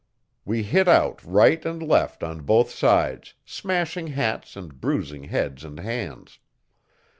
We hit out right and left, on both sides, smashing hats and bruising heads and hands.